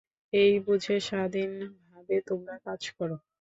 এই বুঝে স্বাধীনভাবে তোমরা কাজ কর।